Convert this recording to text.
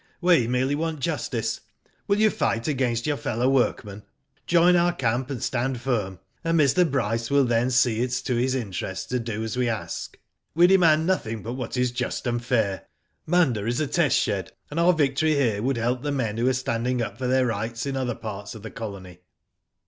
We merely want justice. Will you fight agaitist your fellow workmen ? Join our camp, and stand firm, and Mr. Bryce will then see it is to his interests to do as we ask. ''We demand nothing but what is just and fair. Munda is a test shed, and our victory here would help the men who are standing up for their rights in other parts of the colony.